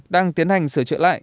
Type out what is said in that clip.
đang tiến hành sửa trợ lại